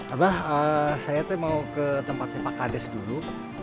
abah saya tuh mau ke tempatnya pak kades dulu